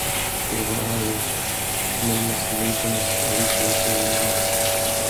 Jag var arg, men måste lyda, och gick in som vanligt.